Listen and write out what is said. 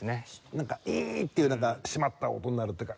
なんかギーッっていう締まった音になるっていうか。